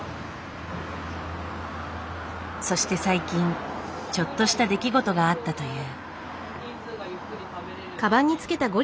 そして最近ちょっとした出来事があったという。